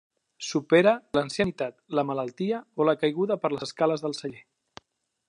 Supera l'ancianitat, la malaltia, o la caiguda per les escales del celler.